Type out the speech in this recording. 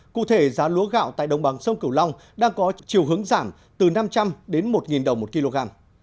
cụ thể giá lúa gạo tại đồng bằng sông cửu long đang có chiều hướng giảm từ năm trăm linh đến một đồng một kg